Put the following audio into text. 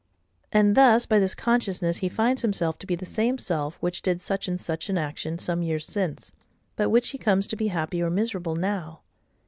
And thus, by this consciousness he finds himself to be the same self which did such and such an action some years since, by which he comes to be happy or miserable now.